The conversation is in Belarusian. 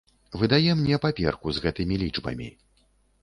Выдае мне паперку з гэтымі лічбамі.